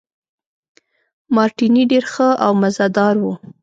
مارټیني ډېر ښه او مزه دار وو.